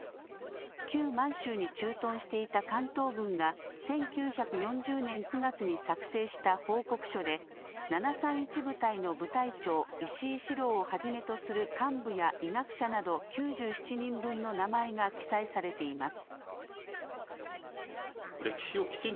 旧満州に駐屯していた関東軍が１９４０年９月に作成した報告書で７３１部隊の部隊長、石井四郎をはじめとする幹部や医学者など９７人分の名前が記載されています。